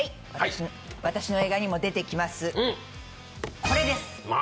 私の映画にも出てきます